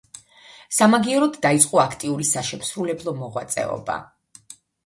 სამაგიეროდ დაიწყო აქტიური საშემსრულებლო მოღვაწეობა.